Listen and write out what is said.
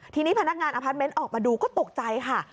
ทีนี้พนักงานอพาร์ทเมนต์ออกมาดูก็ตกใจค่ะ